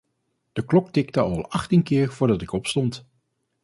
De klok tikte al achttien keer voordat ik opstond.